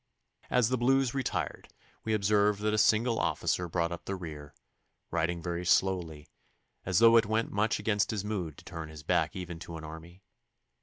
As the Blues retired we observed that a single officer brought up the rear, riding very slowly, as though it went much against his mood to turn his back even to an army.